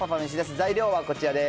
材料はこちらです。